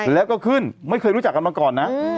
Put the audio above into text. แล้วก็ขึ้นไม่เคยรู้จักกันมาก่อนนะ